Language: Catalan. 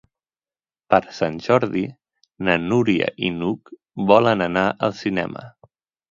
Per Sant Jordi na Núria i n'Hug volen anar al cinema.